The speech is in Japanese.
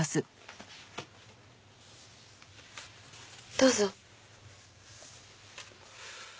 どうぞ。